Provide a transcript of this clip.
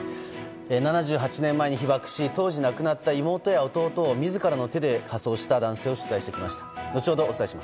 ７８年前に被爆し当時亡くなった妹や弟を自らの手で火葬した男性を取材してきました。